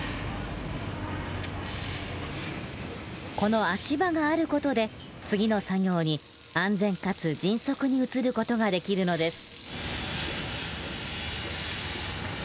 この足場がある事で次の作業に安全かつ迅速に移る事ができるのです。